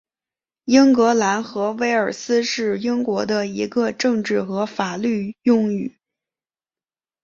英格兰和威尔斯是英国的一个政治和法律用语。